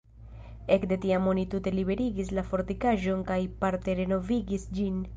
Ekde tiam oni tute liberigis la fortikaĵon kaj parte renovigis ĝin.